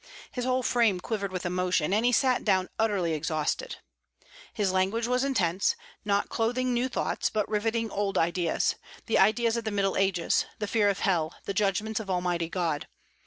His whole frame quivered with emotion, and he sat down utterly exhausted. His language was intense, not clothing new thoughts, but riveting old ideas, the ideas of the Middle Ages; the fear of hell, the judgments of Almighty God.